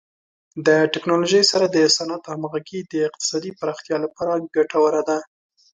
د ټکنالوژۍ سره د صنعت همغږي د اقتصادي پراختیا لپاره ګټوره ده.